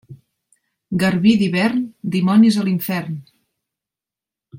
Garbí d'hivern, dimonis a l'infern.